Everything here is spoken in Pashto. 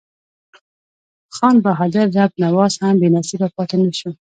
خان بهادر رب نواز هم بې نصیبه پاته نه شو.